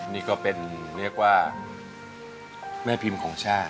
นี่ก็เป็นเรียกว่าแม่พิมพ์ของชาติ